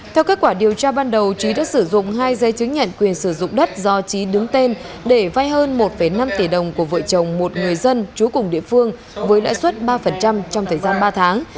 theo kết quả điều tra ban đầu trí đã sử dụng hai dây chứng nhận quyền sử dụng đất do trí đứng tên để vay hơn một năm tỷ đồng của vợ chồng một người dân trú cùng địa phương với lãi suất ba trong thời gian ba tháng